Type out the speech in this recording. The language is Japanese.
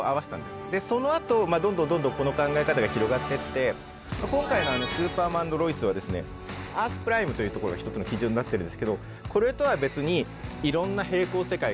でそのあとまあどんどんどんどんこの考え方が広がってって今回の「スーパーマン＆ロイス」はですねアースプライムというところが一つの基準になってるんですけどこれとは別にいろんな並行世界があるという考え方になっています。